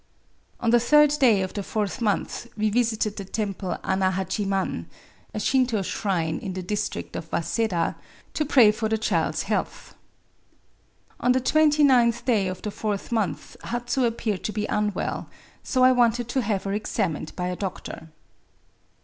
On the third day of the fourth month we visited the temple Ana Hachiman [^Shinto shrine in the district of fVaseda\ to pray for the child's health. ... On the twenty ninth day of the fourth month Hatsu appeared to be unwell : so I wanted to have her examined by a doctor.